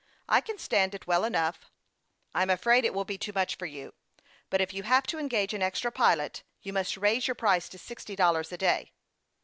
I can stand it well enough." " I'm afraid it will be too much for you ; but if you have to engage an extra pilot, you must raise your price to sixty dollars a day."